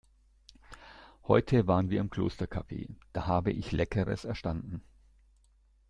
Heute waren wir im Klostercafe, da habe ich Leckeres erstanden.